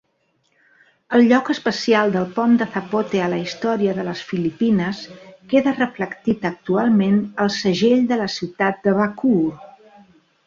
El lloc especial del pont de Zapote a la història de les Filipines queda reflectit actualment al segell de la ciutat de Bacoor.